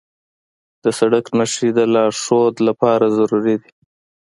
د سړک نښې د لارښود لپاره ضروري دي.